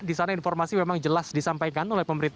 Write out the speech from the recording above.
di sana informasi memang jelas disampaikan